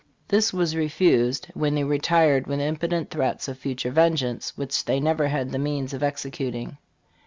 This was refused, when they retired with impotent threats of future vengeance, which they never had the means of executing.